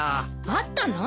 会ったの？